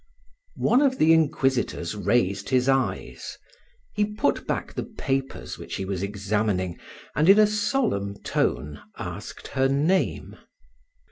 One of the inquisitors raised his eyes; he put back the papers which he was examining, and in a solemn tone asked her name.